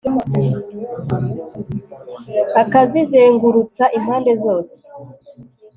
akakizengurutsa impande zose